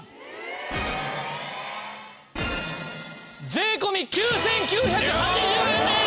税込９９８０円です！